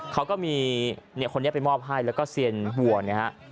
เขาก็มีเนี่ยคนนี้ไปมอบให้แล้วก็เซียนวัวนะฮะ